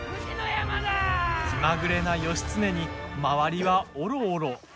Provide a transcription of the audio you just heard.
気まぐれな義経に周りは、おろおろ。